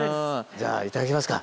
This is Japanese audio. じゃあいただきますか。